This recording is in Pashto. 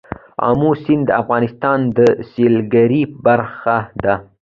آمو سیند د افغانستان د سیلګرۍ برخه ده.